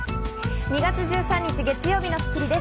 ２月１３日、月曜日の『スッキリ』です。